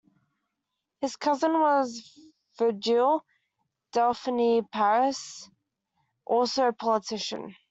His cousin was Virgil Delphini Parris, also a politician.